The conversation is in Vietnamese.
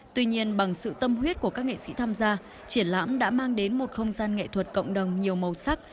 tuy nhiên bằng sự tâm huyết của các nghệ sĩ tham gia triển lãm đã mang đến một không gian nghệ thuật cộng đồng nhiều màu sắc